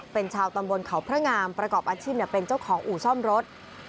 เป็นชาวตำบลเขาพระงามประกอบอาชีพเป็นเจ้าของอู่ซ่อมรถ